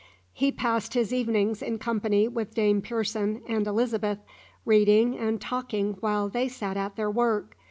He passed his evenings in company with Dame Pearson and Elizabeth, reading and talking while they sat at their work.